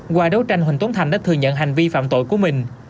qua đấu tranh huỳnh tuấn thành đã thừa nhận hành vi phạm tội của mình